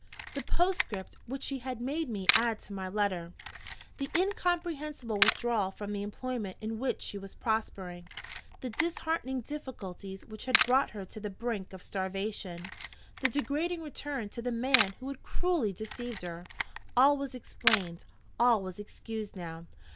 The postscript which she had made me add to my letter; the incomprehensible withdrawal from the employment in which she was prospering; the disheartening difficulties which had brought her to the brink of starvation; the degrading return to the man who had cruelly deceived her all was explained, all was excused now!